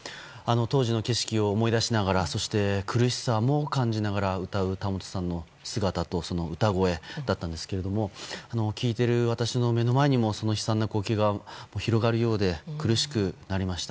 当時の景色を思い出しながらそして苦しさも感じながら歌う田本さんの姿とその歌声だったんですが聴いている私の目の前にも悲惨な光景が広がるようで苦しくなりました。